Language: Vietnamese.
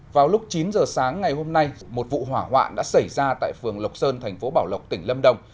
vào lúc chín giờ sáng ngày hôm nay một vụ hỏa hoạn đã xảy ra tại phường lộc sơn thành phố bảo lộc tỉnh lâm đồng